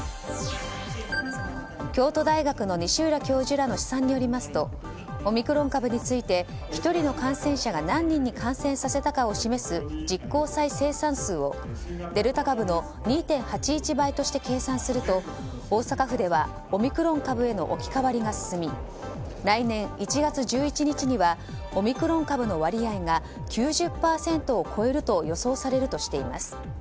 京都大学の西浦教授らの試算によりますとオミクロン株について１人の感染者が何人に感染させたかを示す実効再生産数をデルタ株の２．８１倍として計算すると大阪府では、オミクロン株への置き換わりが進み来年１月１１日にはオミクロン株の割合が９０％を超えると予想されるとしています。